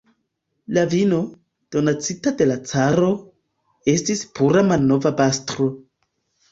La vino, donacita de la caro, estis pura malnova bastro.